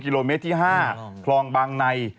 โลเมตรที่๕คลองบางใน